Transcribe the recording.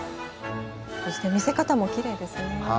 そして見せ方もきれいですね。